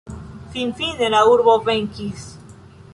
Finfine la urbo venkis.